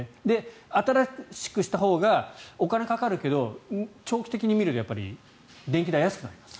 新しくしたほうがお金がかかるけど長期的に見るとやっぱり電気代が安くなります。